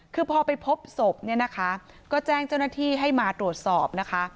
คือพอไปพบศพเนี่ยนะคะก็แจ้งเจ้าหน้าที่ให้มาตรวจสอบนะคะ